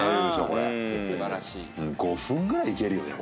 これ５分ぐらいいけるよね